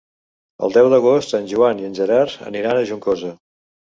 El deu d'agost en Joan i en Gerard aniran a Juncosa.